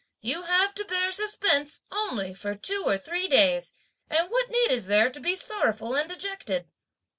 You have to bear suspense only for two or three days, and what need is there to be sorrowful and dejected?'